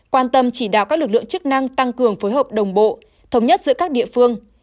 quan tâm chỉ đạo các lực lượng chức năng tăng cường phối hợp đồng bộ thống nhất giữa các địa phương